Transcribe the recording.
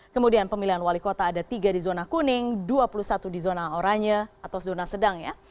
kemudian pemilihan wali kota ada tiga di zona kuning dua puluh satu di zona oranye atau zona sedang ya